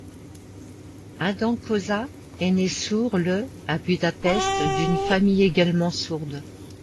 Ádám Kósa est né sourd le à Budapest, d'une famille également sourde.